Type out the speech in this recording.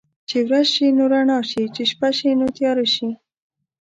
چې ورځ شي نو رڼا شي، چې شپه شي نو تياره شي.